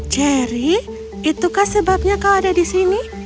cherry itukah sebabnya kau ada disini